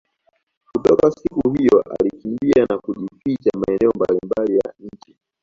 Kutoka siku hiyo alikimbia na kujificha maeneo mbali mbali ya nchi